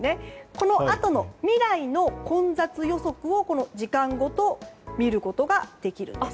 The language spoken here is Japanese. このあとの未来の混雑予測を時間ごと見ることができるんです。